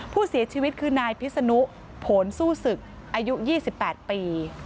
ผู้เสียชีวิตคือนายพิษนุผลสู้ศึกอายุ๒๘ปี